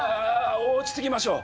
落ち着きましょう！